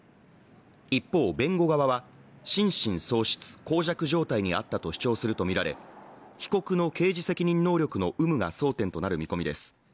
一方、弁護側は心神喪失・耗弱状態にあったと主張するとみられ、被告の刑事責任能力の有無が争点となる見込みです。